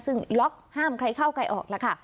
ซึ่งล็อกห้ามใครเข้าใครออกแล้วค่ะ